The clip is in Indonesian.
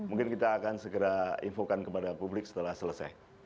mungkin kita akan segera infokan kepada publik setelah selesai